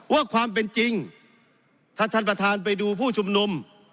ว่าความเป็นจริงถ้าท่านประธานไปดูผู้ชุมนุม